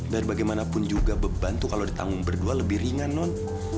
dan bagaimanapun juga beban tuh kalau ditanggung berdua lebih ringan non